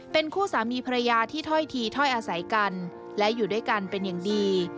เป็นคู่สามีภรรยาที่ถ้อยทีถ้อยอาศัยกันและอยู่ด้วยกันเป็นอย่างดี